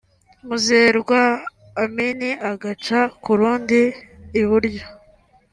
Muzerwa Amin agaca ku rundi (iburyo)